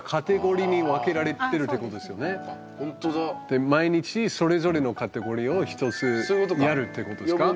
で毎日それぞれのカテゴリーを１つずつやるってことですか？